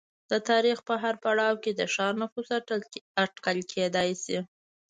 د تاریخ په هر پړاو کې د ښار نفوس اټکل کېدای شوای